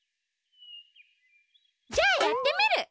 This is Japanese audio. じゃあやってみる！